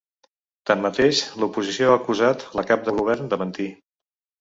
Tanmateix, l’oposició ha acusat la cap de govern de mentir.